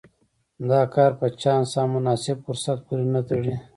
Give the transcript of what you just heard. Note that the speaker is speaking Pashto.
دا کار په چانس او مناسب فرصت پورې نه تړي.